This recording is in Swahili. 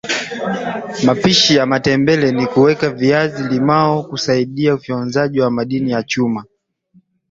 mapishi ya matembeleni weka limao kusaidia ufyonzaji wa madini ya chuma